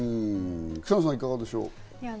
草野さん、いかがでしょう？